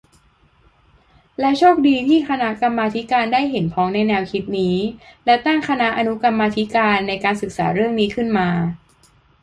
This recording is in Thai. และโชคดีที่คณะกรรมาธิการได้เห็นพ้องในแนวคิดนี้ และตั้งคณะอนุกรรมาธิการในการศึกษาเรื่องนี้ขึ้นมา